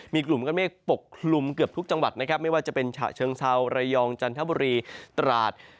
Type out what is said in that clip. มีกลุ่มก้อนเมฆปกคลุมเกือบทุกจังหวัดนะครับไม่ว่าจะเป็นฉะเชิงเซาระยองจันทบุรีตราด